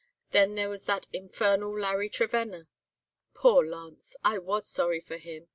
Then there was that infernal Larry Trevenna. Poor Lance! I was sorry for him.